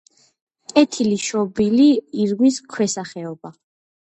კეთილშობილი ირმის ქვესახეობა.